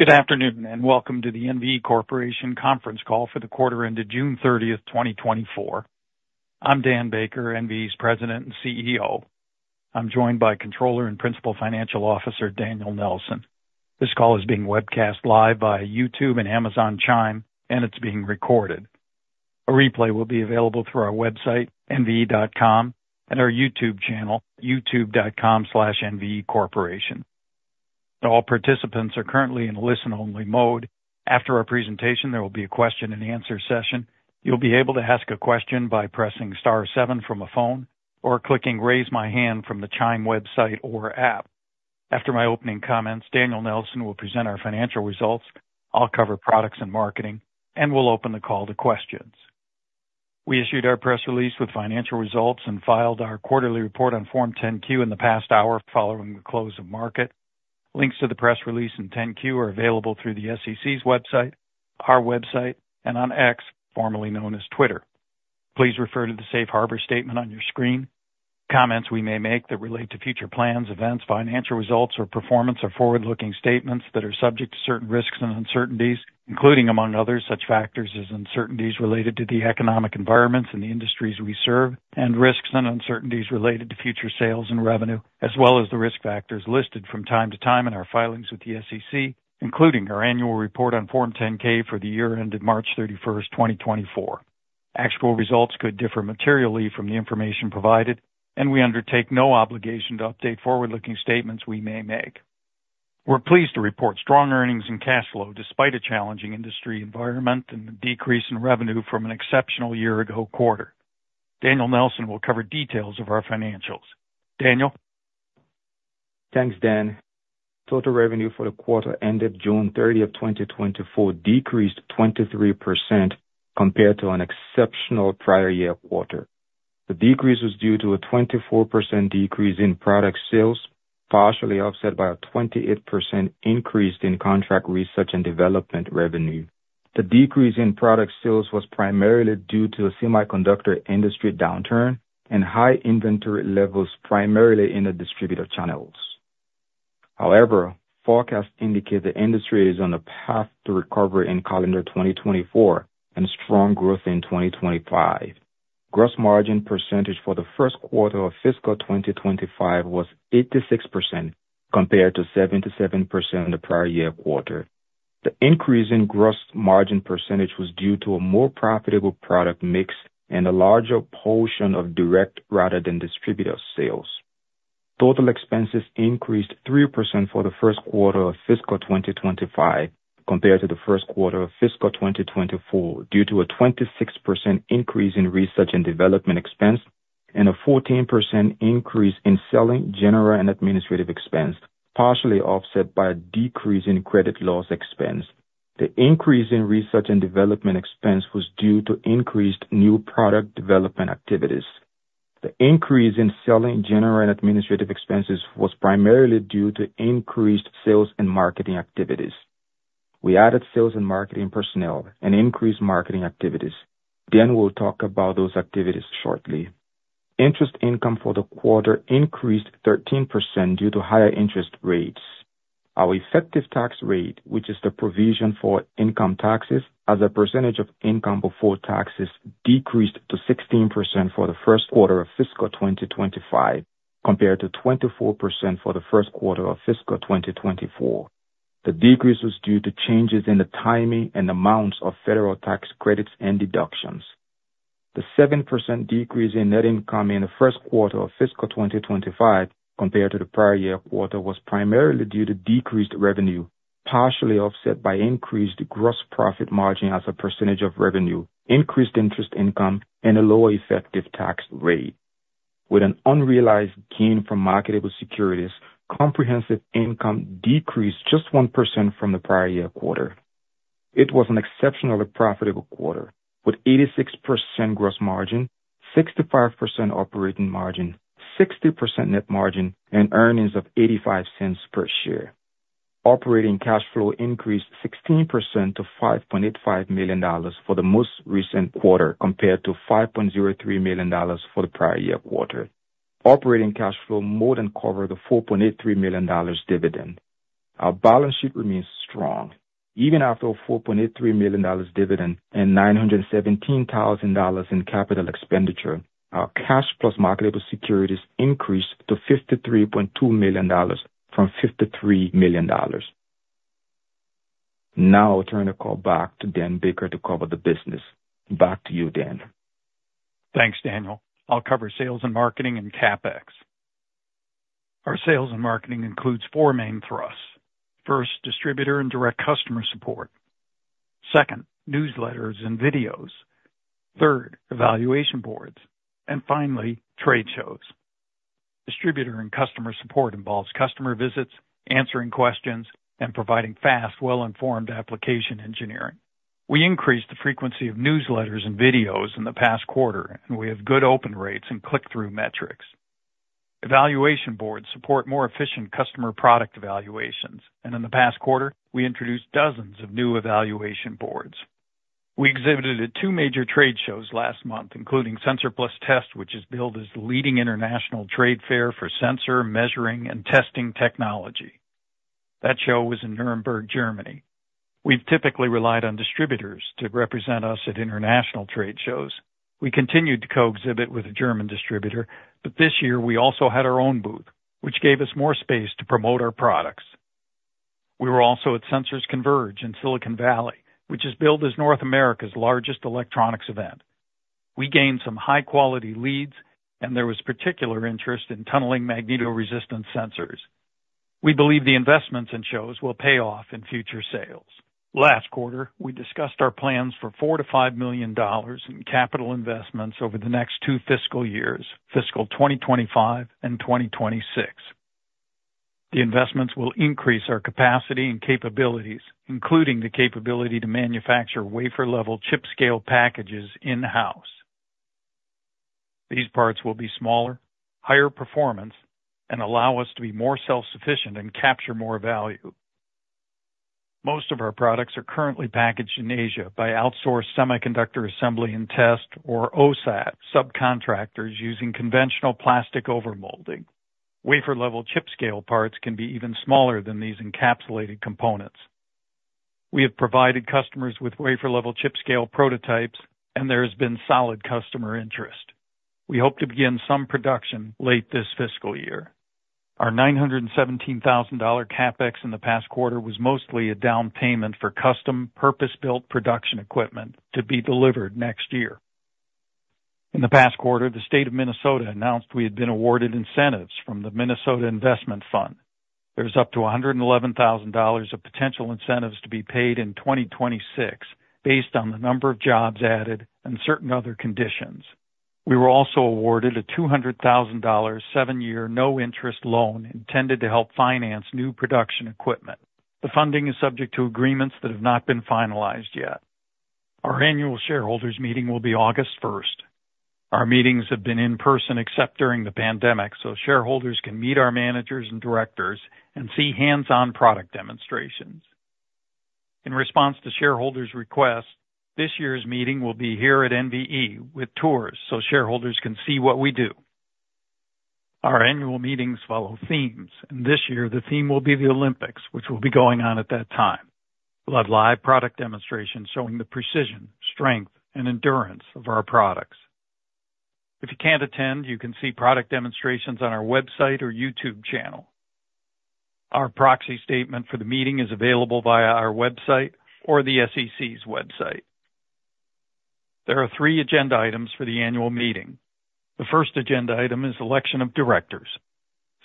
Good afternoon, and welcome to the NVE Corporation Conference Call for the quarter ended June 30th, 2024. I'm Dan Baker, NVE's President and CEO. I'm joined by Controller and Principal Financial Officer, Daniel Nelson. This call is being webcast live via YouTube and Amazon Chime, and it's being recorded. A replay will be available through our website, nve.com, and our YouTube channel, youtube.com/nvecorporation. All participants are currently in listen-only mode. After our presentation, there will be a question-and-answer session. You'll be able to ask a question by pressing star seven from a phone or clicking Raise My Hand from the Chime website or app. After my opening comments, Daniel Nelson will present our financial results. I'll cover products and marketing, and we'll open the call to questions. We issued our press release with financial results and filed our quarterly report on Form 10-Q in the past hour, following the close of market. Links to the press release and 10-Q are available through the SEC's website, our website, and on X, formerly known as Twitter. Please refer to the Safe Harbor statement on your screen. Comments we may make that relate to future plans, events, financial results, or performance are forward-looking statements that are subject to certain risks and uncertainties, including, among others, such factors as uncertainties related to the economic environments and the industries we serve, and risks and uncertainties related to future sales and revenue, as well as the risk factors listed from time to time in our filings with the SEC, including our annual report on Form 10-K for the year ended March 31st, 2024. Actual results could differ materially from the information provided, and we undertake no obligation to update forward-looking statements we may make. We're pleased to report strong earnings and cash flow, despite a challenging industry environment and a decrease in revenue from an exceptional year-ago quarter. Daniel Nelson will cover details of our financials. Daniel? Thanks, Dan. Total revenue for the quarter ended June 30th, 2024, decreased 23% compared to an exceptional prior year quarter. The decrease was due to a 24% decrease in product sales, partially offset by a 28% increase in contract research and development revenue. The decrease in product sales was primarily due to a semiconductor industry downturn and high inventory levels, primarily in the distributor channels. However, forecasts indicate the industry is on a path to recovery in calendar 2024 and strong growth in 2025. Gross margin percentage for the first quarter of fiscal 2025 was 86%, compared to 77% in the prior year quarter. The increase in gross margin percentage was due to a more profitable product mix and a larger portion of direct rather than distributor sales. Total expenses increased 3% for the first quarter of fiscal 2025 compared to the first quarter of fiscal 2024, due to a 26% increase in research and development expense and a 14% increase in selling, general, and administrative expense, partially offset by a decrease in credit loss expense. The increase in research and development expense was due to increased new product development activities. The increase in selling, general, and administrative expenses was primarily due to increased sales and marketing activities. We added sales and marketing personnel and increased marketing activities. Dan will talk about those activities shortly. Interest income for the quarter increased 13% due to higher interest rates. Our effective tax rate, which is the provision for income taxes as a percentage of income before taxes, decreased to 16% for the first quarter of fiscal 2025, compared to 24% for the first quarter of fiscal 2024. The decrease was due to changes in the timing and amounts of federal tax credits and deductions. The 7% decrease in net income in the first quarter of fiscal 2025 compared to the prior year quarter, was primarily due to decreased revenue, partially offset by increased gross profit margin as a percentage of revenue, increased interest income, and a lower effective tax rate. With an unrealized gain from marketable securities, comprehensive income decreased just 1% from the prior year quarter. It was an exceptionally profitable quarter, with 86% gross margin, 65% operating margin, 60% net margin, and earnings of $0.85 per share. Operating cash flow increased 16% to $5.85 million for the most recent quarter, compared to $5.03 million for the prior year quarter. Operating cash flow more than covered the $4.83 million dividend. Our balance sheet remains strong. Even after a $4.83 million dividend and $917,000 in capital expenditure, our cash plus marketable securities increased to $53.2 million from $53 million. Now I'll turn the call back to Dan Baker to cover the business. Back to you, Dan. Thanks, Daniel. I'll cover sales and marketing and CapEx. Our sales and marketing includes four main thrusts: First, distributor and direct customer support. Second, newsletters and videos. Third, evaluation boards, and finally, trade shows. Distributor and customer support involves customer visits, answering questions, and providing fast, well-informed application engineering. We increased the frequency of newsletters and videos in the past quarter, and we have good open rates and click-through metrics. Evaluation boards support more efficient customer product evaluations, and in the past quarter, we introduced dozens of new evaluation boards. We exhibited at two major trade shows last month, including SENSOR+TEST, which is billed as the leading international trade fair for sensor, measuring, and testing technology. That show was in Nuremberg, Germany. We've typically relied on distributors to represent us at international trade shows. We continued to co-exhibit with a German distributor, but this year we also had our own booth, which gave us more space to promote our products. We were also at Sensors Converge in Silicon Valley, which is billed as North America's largest electronics event. We gained some high-quality leads, and there was particular interest in tunneling magnetoresistance sensors. We believe the investments in shows will pay off in future sales. Last quarter, we discussed our plans for $4 million-$5 million in capital investments over the next two fiscal years, fiscal 2025 and 2026. The investments will increase our capacity and capabilities, including the capability to manufacture wafer-level chip-scale packages in-house. These parts will be smaller, higher performance, and allow us to be more self-sufficient and capture more value. Most of our products are currently packaged in Asia by outsourced semiconductor assembly and test, or OSAT, subcontractors using conventional plastic overmolding. Wafer-level chip scale parts can be even smaller than these encapsulated components. We have provided customers with wafer-level chip-scale prototypes, and there has been solid customer interest. We hope to begin some production late this fiscal year. Our $917,000 CapEx in the past quarter was mostly a down payment for custom, purpose-built production equipment to be delivered next year. In the past quarter, the state of Minnesota announced we had been awarded incentives from the Minnesota Investment Fund. There's up to $111,000 of potential incentives to be paid in 2026, based on the number of jobs added and certain other conditions. We were also awarded a $200,000, seven-year, no-interest loan intended to help finance new production equipment. The funding is subject to agreements that have not been finalized yet. Our annual shareholders meeting will be August first. Our meetings have been in person except during the pandemic, so shareholders can meet our managers and directors and see hands-on product demonstrations. In response to shareholders' requests, this year's meeting will be here at NVE, with tours, so shareholders can see what we do. Our annual meetings follow themes, and this year the theme will be the Olympics, which will be going on at that time. We'll have live product demonstrations showing the precision, strength, and endurance of our products. If you can't attend, you can see product demonstrations on our website or YouTube channel. Our proxy statement for the meeting is available via our website or the SEC's website. There are three agenda items for the annual meeting. The first agenda item is election of directors.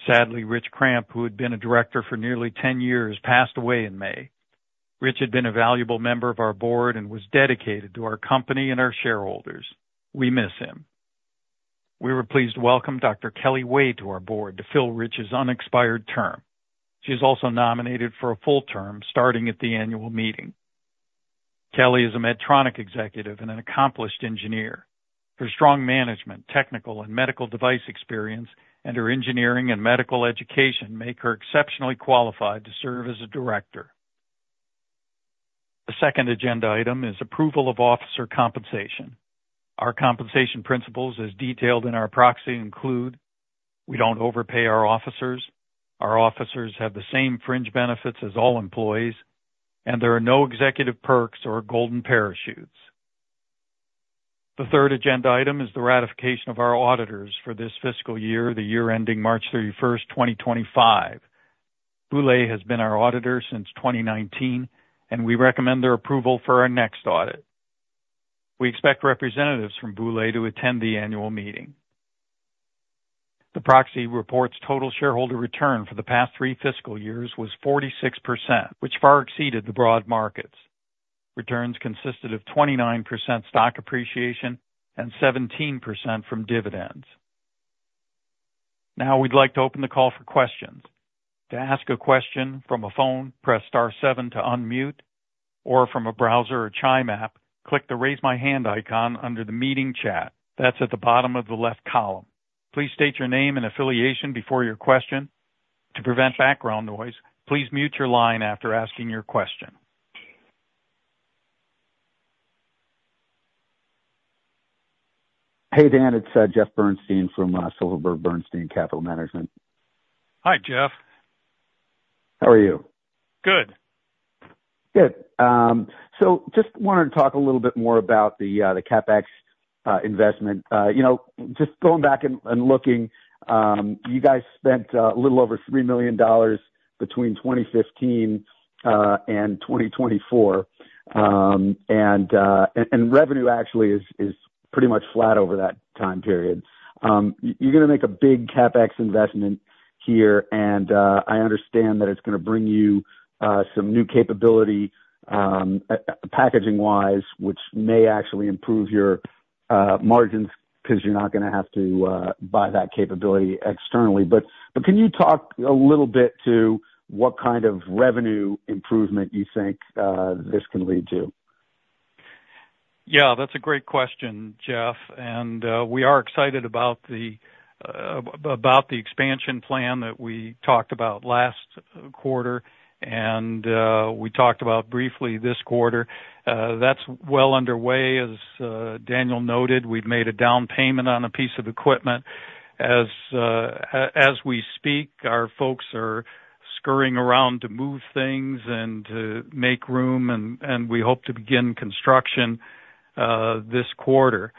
Sadly, Rich Kramp, who had been a director for nearly ten years, passed away in May. Rich had been a valuable member of our board and was dedicated to our company and our shareholders. We miss him. We were pleased to welcome Dr. Kelly Wei to our board to fill Rich's unexpired term. She's also nominated for a full term starting at the annual meeting. Kelly is a Medtronic executive and an accomplished engineer. Her strong management, technical, and medical device experience, and her engineering and medical education make her exceptionally qualified to serve as a director. The second agenda item is approval of officer compensation. Our compensation principles, as detailed in our proxy, include: we don't overpay our officers, our officers have the same fringe benefits as all employees, and there are no executive perks or golden parachutes. The third agenda item is the ratification of our auditors for this fiscal year, the year ending March 31st, 2025. Boulay has been our auditor since 2019, and we recommend their approval for our next audit. We expect representatives from Boulay to attend the annual meeting. The proxy report's total shareholder return for the past three fiscal years was 46%, which far exceeded the broad markets. Returns consisted of 29% stock appreciation and 17% from dividends. Now, we'd like to open the call for questions. To ask a question from a phone, press star seven to unmute, or from a browser or Chime app, click the Raise My Hand icon under the meeting chat. That's at the bottom of the left column. Please state your name and affiliation before your question. To prevent background noise, please mute your line after asking your question. Hey, Dan, it's Jeff Bernstein from Silverberg Bernstein Capital Management. Hi, Jeff. How are you? Good. Good. So just wanted to talk a little bit more about the CapEx investment. You know, just going back and looking, you guys spent a little over $3 million between 2015 and 2024. And revenue actually is pretty much flat over that time period. You're gonna make a big CapEx investment here, and I understand that it's gonna bring you some new capability packaging-wise, which may actually improve your margins, 'cause you're not gonna have to buy that capability externally. But can you talk a little bit to what kind of revenue improvement you think this can lead to? Yeah, that's a great question, Jeff, and we are excited about the expansion plan that we talked about last quarter, and we talked about briefly this quarter. That's well underway. As Daniel noted, we've made a down payment on a piece of equipment. As we speak, our folks are scurrying around to move things and to make room, and we hope to begin construction this quarter.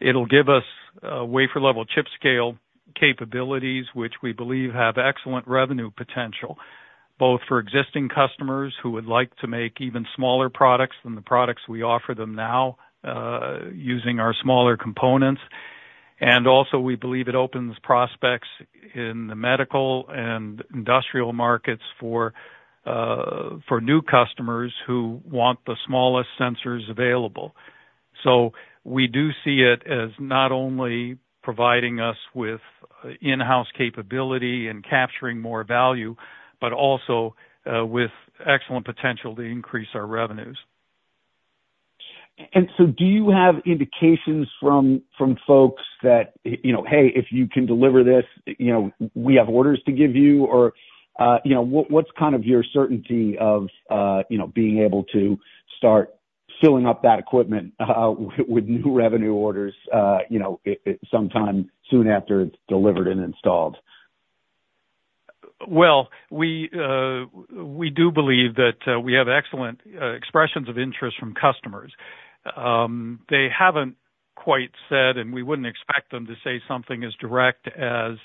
It'll give us wafer-level chip scale capabilities, which we believe have excellent revenue potential, both for existing customers who would like to make even smaller products than the products we offer them now, using our smaller components, and also we believe it opens prospects in the medical and industrial markets for new customers who want the smallest sensors available. We do see it as not only providing us with in-house capability and capturing more value, but also with excellent potential to increase our revenues. And so do you have indications from folks that, you know, "Hey, if you can deliver this, you know, we have orders to give you," or, you know, what, what's kind of your certainty of, you know, being able to start filling up that equipment, with new revenue orders, you know, sometime soon after it's delivered and installed? Well, we do believe that we have excellent expressions of interest from customers. They haven't quite said, and we wouldn't expect them to say something as direct as,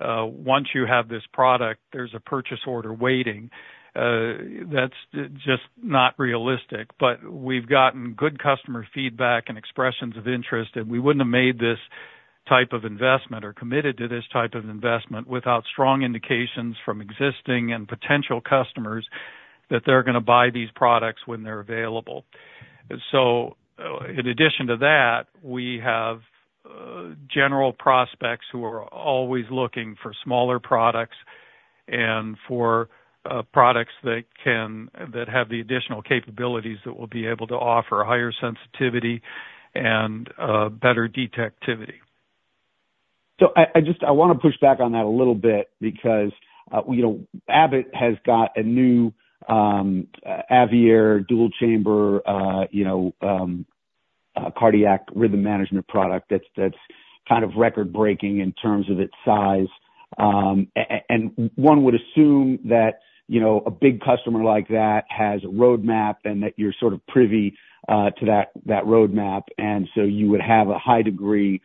"Once you have this product, there's a purchase order waiting." That's just not realistic. But we've gotten good customer feedback and expressions of interest, and we wouldn't have made this type of investment or committed to this type of investment without strong indications from existing and potential customers that they're gonna buy these products when they're available. So in addition to that, we have general prospects who are always looking for smaller products and for products that have the additional capabilities that we'll be able to offer, higher sensitivity and better detectivity. So I just wanna push back on that a little bit because, you know, Abbott has got a new AVEIR dual chamber, you know, cardiac rhythm management product that's kind of record-breaking in terms of its size. And one would assume that, you know, a big customer like that has a roadmap and that you're sort of privy to that roadmap, and so you would have a high degree of,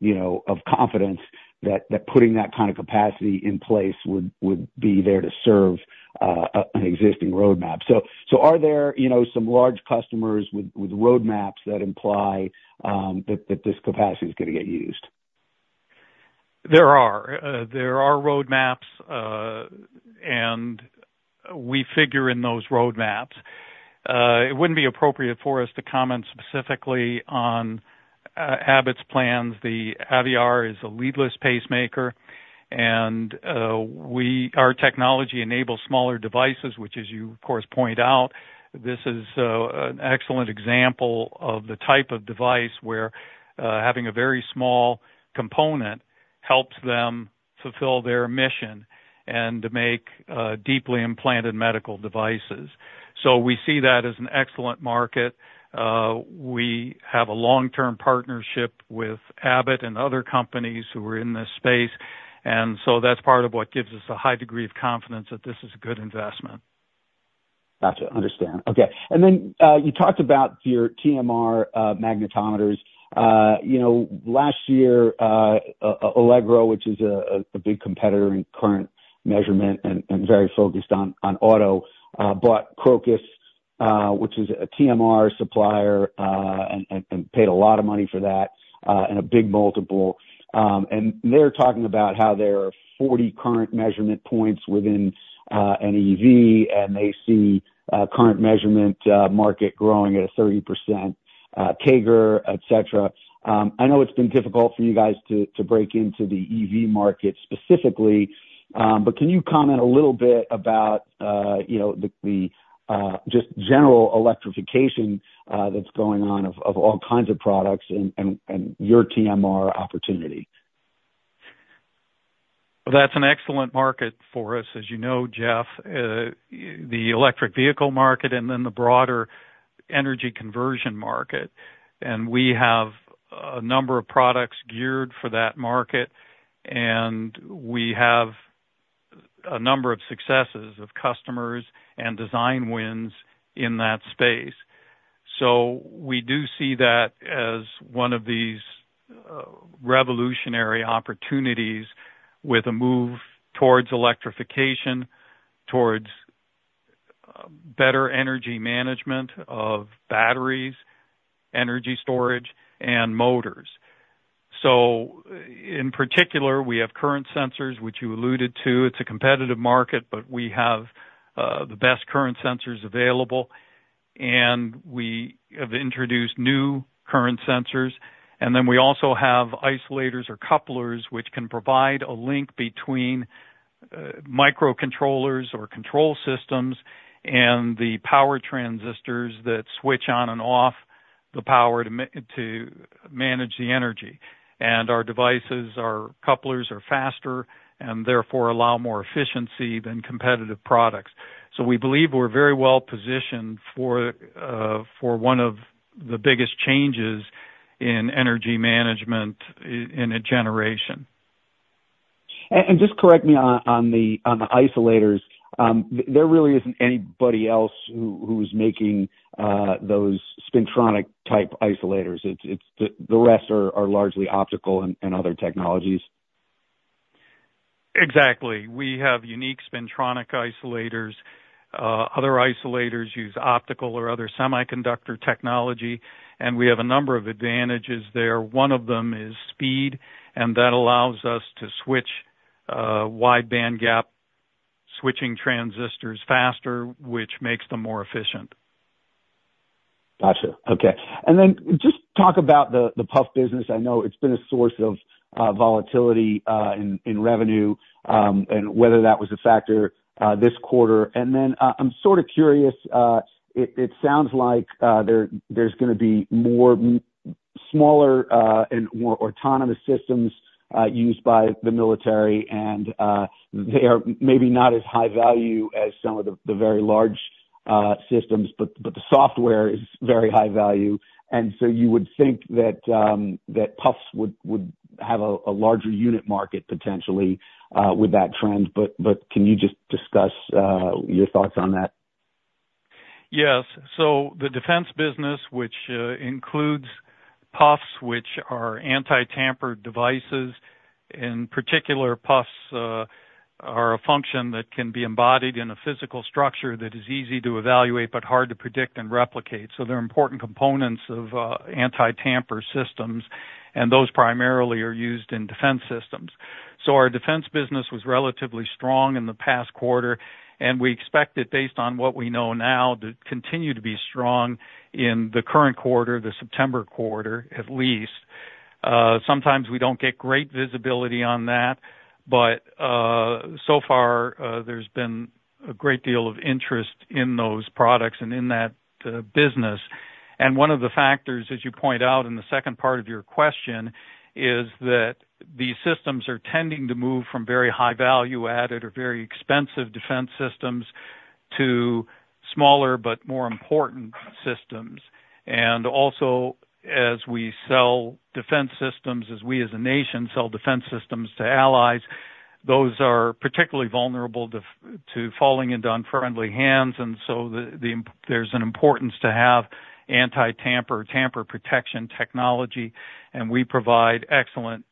you know, confidence that putting that kind of capacity in place would be there to serve an existing roadmap. So are there, you know, some large customers with roadmaps that imply that this capacity is gonna get used? There are roadmaps, and we figure in those roadmaps. It wouldn't be appropriate for us to comment specifically on Abbott's plans. The AVEIR is a leadless pacemaker, and our technology enables smaller devices, which as you, of course, point out, this is an excellent example of the type of device where having a very small component helps them fulfill their mission and to make deeply implanted medical devices. So we see that as an excellent market. We have a long-term partnership with Abbott and other companies who are in this space, and so that's part of what gives us a high degree of confidence that this is a good investment. Gotcha. Understand. Okay, and then, you talked about your TMR magnetometers. You know, last year, Allegro, which is a big competitor in current measurement and very focused on auto, bought Crocus, which is a TMR supplier, and paid a lot of money for that, and a big multiple. And they're talking about how there are 40 current measurement points within an EV, and they see a current measurement market growing at a 30% CAGR, et cetera. I know it's been difficult for you guys to break into the EV market specifically, but can you comment a little bit about, you know, the just general electrification that's going on of all kinds of products and your TMR opportunity? That's an excellent market for us, as you know, Jeff, the electric vehicle market and then the broader energy conversion market, and we have a number of products geared for that market, and we have a number of successes of customers and design wins in that space. So we do see that as one of these revolutionary opportunities with a move towards electrification, towards better energy management of batteries, energy storage, and motors. So in particular, we have current sensors, which you alluded to. It's a competitive market, but we have the best current sensors available, and we have introduced new current sensors, and then we also have isolators or couplers, which can provide a link between microcontrollers or control systems and the power transistors that switch on and off the power to manage the energy. Our devices, our couplers are faster and therefore allow more efficiency than competitive products. We believe we're very well positioned for one of the biggest changes in energy management in a generation. Just correct me on the isolators. There really isn't anybody else who is making those spintronic-type isolators. It's the rest are largely optical and other technologies. Exactly. We have unique spintronic isolators. Other isolators use optical or other semiconductor technology, and we have a number of advantages there. One of them is speed, and that allows us to switch wide band gap switching transistors faster, which makes them more efficient. Gotcha. Okay. And then just talk about the, the PUF business. I know it's been a source of volatility in revenue, and whether that was a factor this quarter. And then, I'm sort of curious. It sounds like there's gonna be more smaller and more autonomous systems used by the military, and they are maybe not as high value as some of the very large systems, but the software is very high value. And so you would think that PUFs would have a larger unit market potentially with that trend. But can you just discuss your thoughts on that? Yes. So the defense business, which includes PUFs, which are anti-tamper devices, in particular, PUFs are a function that can be embodied in a physical structure that is easy to evaluate, but hard to predict and replicate. So they're important components of anti-tamper systems, and those primarily are used in defense systems. So our defense business was relatively strong in the past quarter, and we expect it, based on what we know now, to continue to be strong in the current quarter, the September quarter, at least. Sometimes we don't get great visibility on that, but so far, there's been a great deal of interest in those products and in that business. One of the factors, as you point out in the second part of your question, is that the systems are tending to move from very high value added or very expensive defense systems to smaller, but more important systems. Also, as we sell defense systems, as we as a nation sell defense systems to allies, those are particularly vulnerable to falling into unfriendly hands. So there's an importance to have anti-tamper, tamper protection technology, and we provide excellent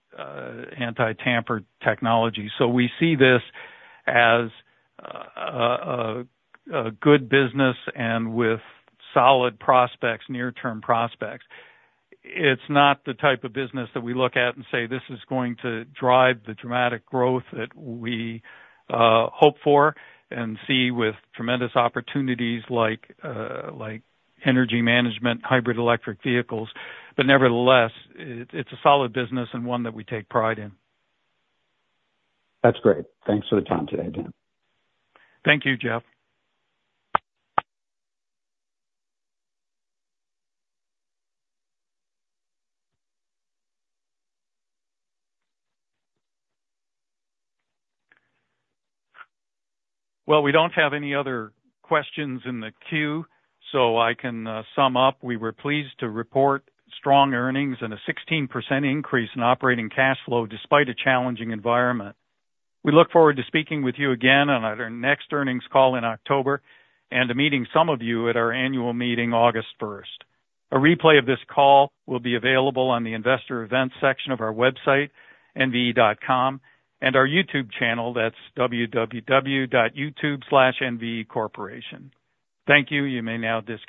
anti-tamper technology. We see this as a good business and with solid prospects, near-term prospects. It's not the type of business that we look at and say, "This is going to drive the dramatic growth that we hope for, and see with tremendous opportunities like, like energy management, hybrid electric vehicles." But nevertheless, it's a solid business and one that we take pride in. That's great. Thanks for the time today, Dan. Thank you, Jeff. Well, we don't have any other questions in the queue, so I can sum up. We were pleased to report strong earnings and a 16% increase in operating cash flow despite a challenging environment. We look forward to speaking with you again on our next earnings call in October, and to meeting some of you at our annual meeting August first. A replay of this call will be available on the Investor Events section of our website, nve.com, and our YouTube channel. That's www.youtube.com/nvecorporation. Thank you. You may now disconnect.